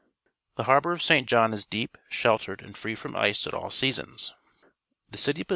The harbour of Saint John is deep, shelte r ed^ and free from ice at all seasons. The city pos.